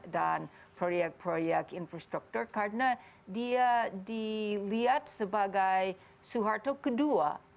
dan proyek proyek infrastruktur karena dia dilihat sebagai suharto kedua